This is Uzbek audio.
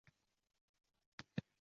Yoshsan